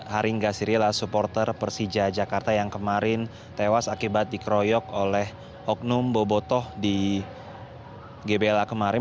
haringa sirila supporter persija jakarta yang kemarin tewas akibat dikeroyok oleh oknum bobotoh di gbla kemarin